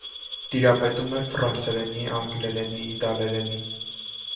Տիրապետում է ֆրանսերենի, անգլերենի, իտալերենի։